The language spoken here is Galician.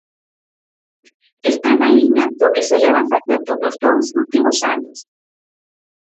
Está na liña do que se leva facendo nos dous últimos anos.